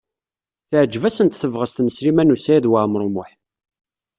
Teɛjeb-asent tebɣest n Sliman U Saɛid Waɛmaṛ U Muḥ.